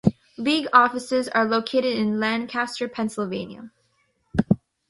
League offices are located in Lancaster, Pennsylvania.